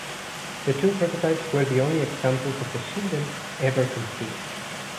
The two prototypes were the only examples of the "Shinden" ever completed.